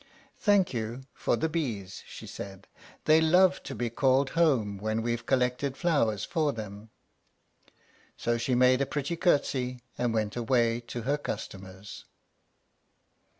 "Thank you for the bees," she said. "They love to be called home when we've collected flowers for them." So she made a pretty little courtesy, and went away to her customers.